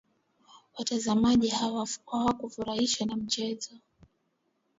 Watazamaji hawakufurahishwa na mchezo.